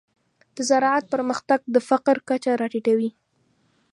د زراعت پرمختګ د فقر کچه راټیټوي.